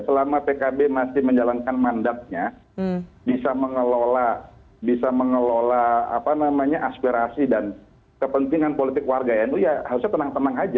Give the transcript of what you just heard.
selama pkb masih menjalankan mandatnya bisa mengelola aspirasi dan kepentingan politik warga nu ya harusnya tenang tenang aja